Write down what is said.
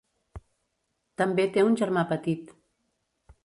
També té un germà petit.